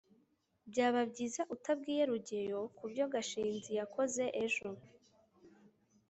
byaba byiza utabwiye rugeyo kubyo gashinzi yakoze ejo